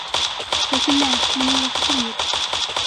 Сәкинә, минең ваҡытым юҡ.